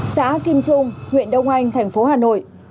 xã kim trung huyện đông anh thành phố hà nội